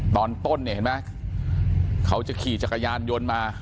ตอนต้นเนี่ยเห็นไหมเขาจะขี่จักรยานยนต์มา